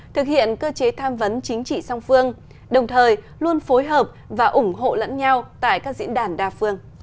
thực hiện cơ chế tham vấn chính trị song phương đồng thời luôn phối hợp và ủng hộ lẫn nhau tại các diễn đàn đa phương